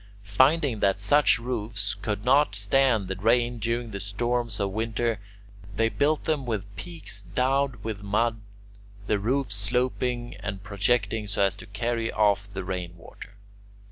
Finding that such roofs could not stand the rain during the storms of winter, they built them with peaks daubed with mud, the roofs sloping and projecting so as to carry off the rain water.